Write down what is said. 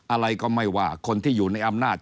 อะไรก็ไม่ว่าคนที่อยู่ในอำนาจ